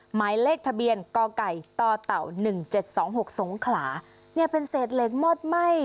หมายเลขทะเบียนก็ไก่ต่อเต่าหนึ่งเจ็ดสองหกสงขลาเนี้ยเป็นเศษเล็กมอดไหม้